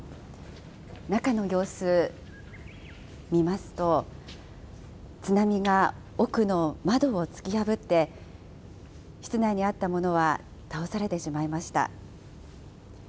中の様子見ますと、津波が奥の窓を突き破って、室内にあったものは倒されてしまいました。